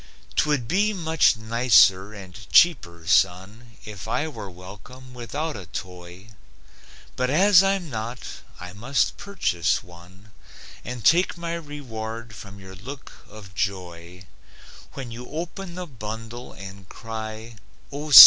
'Twould be much nicer and cheaper, son, If I were welcome without a toy, But as I'm not, I must purchase one And take my reward from your look of joy When you open the bundle and cry: "O, see!